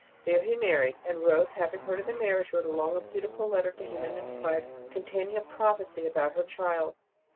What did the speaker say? There he married ; and Rose, having heard of the marriage, wrote a long and beautiful letter to him and his wife, containing a prophecy about her child.